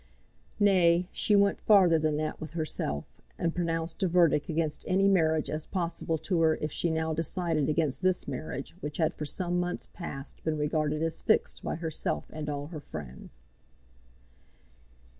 Nay, she went farther than that with herself, and pronounced a verdict against any marriage as possible to her if she now decided against this marriage which had for some months past been regarded as fixed by herself and all her friends.